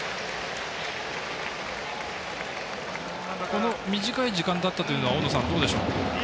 この短い時間だったというのは大野さんどうでしょう。